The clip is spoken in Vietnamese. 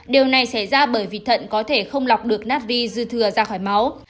điều này xảy ra bởi vì thận có thể không lọc được natchi dư thừa ra khỏi máu